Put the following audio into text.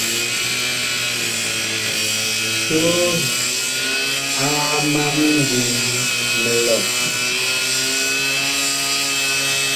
Soon aa ma mindim mi lɔm.